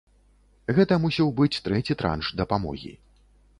Гэта мусіў быць трэці транш дапамогі.